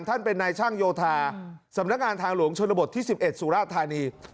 ท่านเป็นนายช่างโยธาสำนักงานทางหลวงชนบทที่๑๑สุราธานี